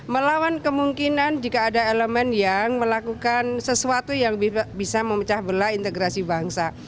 melawan kemungkinan jika ada elemen yang melakukan sesuatu yang bisa memecah belah integrasi bangsa